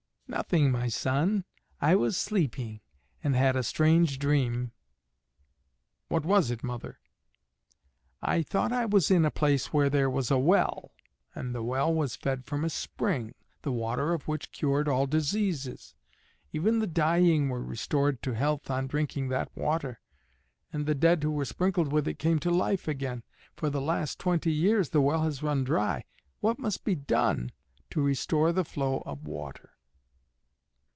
"Nothing, my son; I was sleeping, and had a strange dream." "What was it, mother?" "I thought I was in a place where there was a well, and the well was fed from a spring, the water of which cured all diseases. Even the dying were restored to health on drinking that water, and the dead who were sprinkled with it came to life again. For the last twenty years the well has run dry. What must be done to restore the flow of water?"